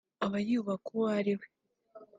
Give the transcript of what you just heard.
aba yubaka uwo ariwe